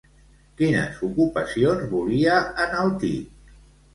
Quines ocupacions volia enaltir?